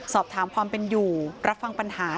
สอบถามความเป็นอยู่รับฟังปัญหา